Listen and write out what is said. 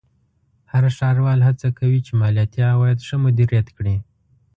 هر ښاروال هڅه کوي چې مالیاتي عواید ښه مدیریت کړي.